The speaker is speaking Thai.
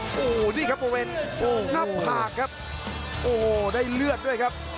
โอ้โหนี่ครับบริเวณหน้าผากครับโอ้โหได้เลือดด้วยครับ